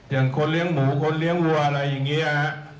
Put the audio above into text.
อย่างคนเลี้ยงหมูคนเลี้ยงวัวอะไรอย่างนี้